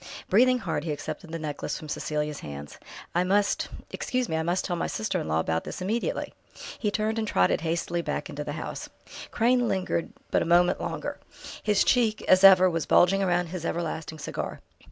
Breathing hard, he accepted the necklace from Cecelia's hands. "I must excuse me I must tell my sister in law about this immediately!" He turned and trotted hastily back into the house. Crane lingered but a moment longer. His cheek, as ever, was bulging round his everlasting cigar.